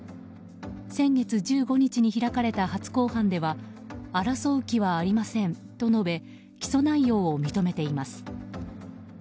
先月１５日に開かれた初公判では争う気はありませんと述べ起訴内容を認めています。